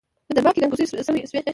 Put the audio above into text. په دربار کې ګنګوسې شوې.